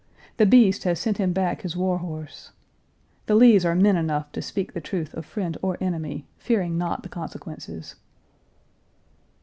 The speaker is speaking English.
The "Beast" has sent him back his war horse. The Lees are men enough to speak the truth of friend or enemy, fearing not the consequences.